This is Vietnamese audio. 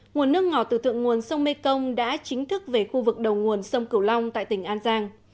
nguồn nước ngọt từ thượng nguồn sông mê công đã chính thức về khu vực đầu nguồn sông cửu long tại tỉnh an giang